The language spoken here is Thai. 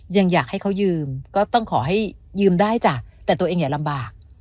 ยังอยากให้เขายืมก็ต้องขอให้ยืมได้จ้ะแต่ตัวเองอย่าลำบาก